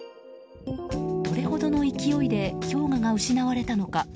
どれほどの勢いで氷河が失われたのか。